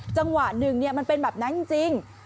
จังหวะหนึ่งมันเป็นแบบนั้นจริง